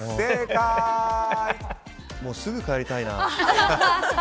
すぐ変えたいな。